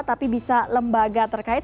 tapi bisa lembaga terkait